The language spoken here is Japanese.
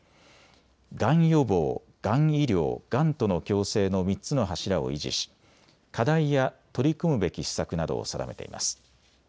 がん予防、がん医療、がんとの共生の３つの柱を維持し課題や取り組むべき施策などを定めています。